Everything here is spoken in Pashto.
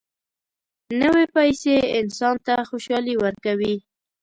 نوې پیسې انسان ته خوشالي ورکوي